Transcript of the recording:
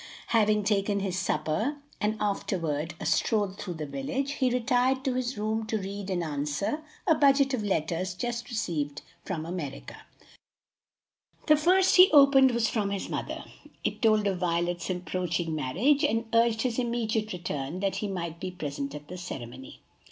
Having taken his supper and afterward a stroll through the village, he retired to his room to read and answer a budget of letters just received from America. The first he opened was from his mother. It told of Violet's approaching marriage and urged his immediate return that he might be present at the ceremony.